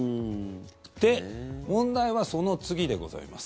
で、問題はその次でございます。